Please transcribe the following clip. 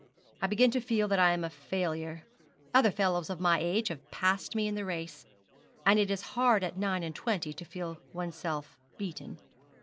I begin to feel that I am a failure. Other fellows of my age have passed me in the race; and it is hard at nine and twenty to feel oneself beaten.'